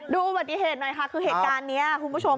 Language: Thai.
อุบัติเหตุหน่อยค่ะคือเหตุการณ์นี้คุณผู้ชม